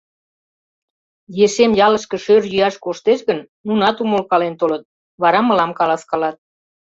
Ешем ялышке шӧр йӱаш коштеш гын, нунат умылкален толыт, вара мылам каласкалат.